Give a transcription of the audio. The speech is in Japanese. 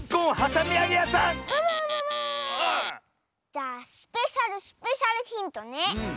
じゃあスペシャルスペシャルヒントね。